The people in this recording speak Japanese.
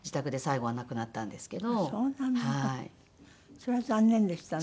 それは残念でしたね。